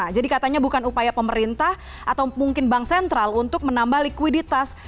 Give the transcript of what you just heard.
jadi katanya bukan upaya pemerintah atau mungkin bank sentral untuk menambah likuiditas